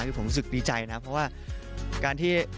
คือผมรู้สึกดีใจนะเพราะว่าการที่